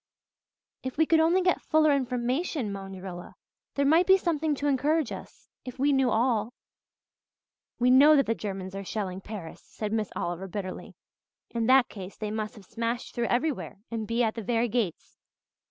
"If we could only get fuller information," moaned Rilla. "There might be something to encourage us if we knew all." "We know that the Germans are shelling Paris," said Miss Oliver bitterly. "In that case they must have smashed through everywhere and be at the very gates.